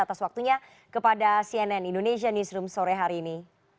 atas waktunya kepada cnn indonesia newsroom sore hari ini